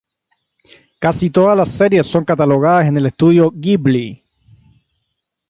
Casi todas las series son catalogadas en el Studio Ghibli.